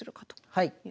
はい。